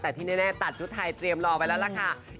แต่ที่แน่ตัดชุดไทยเตรียมรอไปแล้วล่ะค่ะ